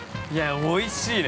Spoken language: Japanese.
◆おいしいね。